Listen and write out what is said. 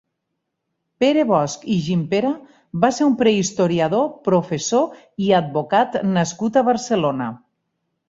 Pere Bosch i Gimpera va ser un prehistoriador, professor i advocat nascut a Barcelona.